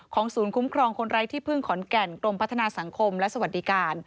ศูนย์คุ้มครองคนไร้ที่พึ่งขอนแก่นกรมพัฒนาสังคมและสวัสดิการ